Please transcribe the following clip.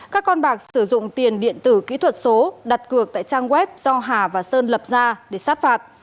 các con bạc sử dụng tiền điện tử kỹ thuật số đặt cược tại trang web do hà và sơn lập ra để sát phạt